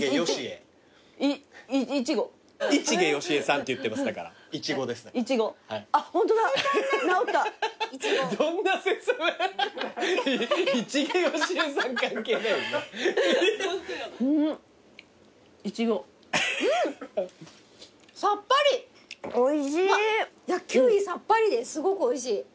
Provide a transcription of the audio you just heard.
キウイさっぱりですごくおいしい。